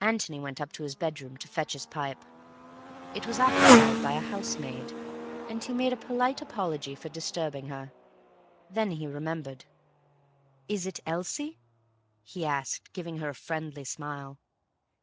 Antony went up to his bedroom to fetch his pipe. It was occupied by a housemaid, and he made a polite apology for disturbing her. Then he remembered. "Is it Elsie?" he asked, giving her a friendly smile.